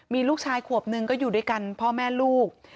มีลูกชายขวบหนึ่งก็อยู่ด้วยกันพ่อแม่ลูก